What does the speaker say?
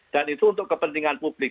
dan itu untuk kepentingan publik